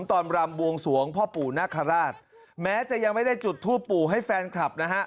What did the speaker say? รำบวงสวงพ่อปู่นาคาราชแม้จะยังไม่ได้จุดทูปปู่ให้แฟนคลับนะฮะ